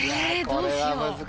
どうしよう。